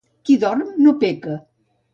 Qui dorm no peca.